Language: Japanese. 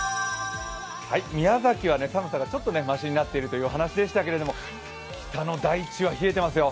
宮崎は寒さがちょっとましになったというお話でしたが北の大地は冷えますよ。